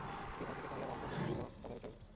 বিভার দিকে চাহিয়া রামমোহন কহিল, মা, তবে আমি চলিলাম।